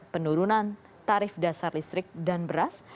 penurunan tarif dasar listrik dan beras